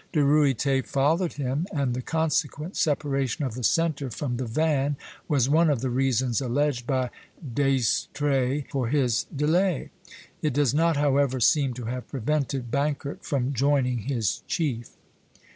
De Ruyter followed him, and the consequent separation of the centre from the van (B, B') was one of the reasons alleged by D'Estrées for his delay. It does not, however, seem to have prevented Bankert from joining his chief.